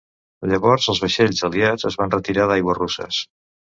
Llavors, els vaixells aliats es van retirar d'aigües russes.